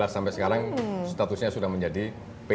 dua ribu dua belas sampai sekarang statusnya sudah menjadi pt